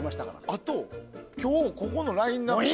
あと、今日ここのラインアップが。